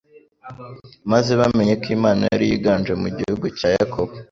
maze bamenye ko Imana ari yo iganje mu gihugu cya Yakobo